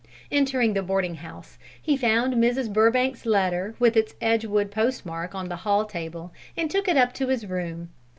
Entering the boarding house, he found Mrs. Burbank's letter with its Edgewood postmark on the hall table, and took it up to his room.